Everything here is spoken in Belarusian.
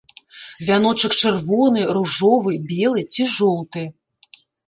Вяночак чырвоны, ружовы, белы ці жоўты.